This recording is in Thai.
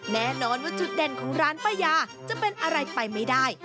แน่นอนว่าจุดเด่นของร้านป้ายาจะเป็นอะไรไปไม่ได้